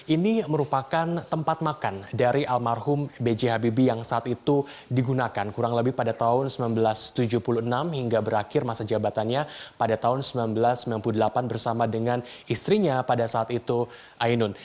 ini merupakan tempat makan dari almarhum b j habibie yang saat itu digunakan kurang lebih pada tahun seribu sembilan ratus tujuh puluh enam hingga berakhir masa jabatannya pada tahun seribu sembilan ratus sembilan puluh delapan bersama dengan istrinya pada saat itu ainun